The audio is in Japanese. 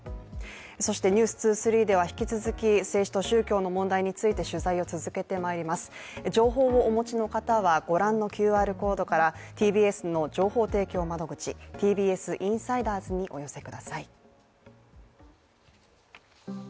そして「ｎｅｗｓ２３」では引き続き、政治と宗教の問題について取材を続けてまいります情報をお持ちの方はご覧のＱＲコードからＴＢＳの情報提供窓口ＴＢＳインサイダーズにお寄せください。